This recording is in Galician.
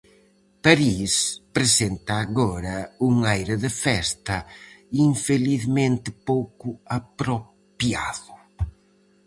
París presenta agora un aire de festa infelizmente pouco apropiado.